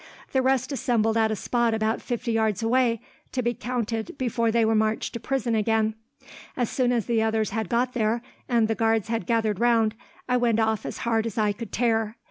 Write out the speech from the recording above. The rest assembled at a spot about fifty yards away, to be counted before they marched to prison again. As soon as the others had got there, and the guards had gathered round, I went off as hard as I could tear.